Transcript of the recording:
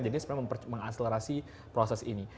jadi sebenarnya menganselerasi proses ini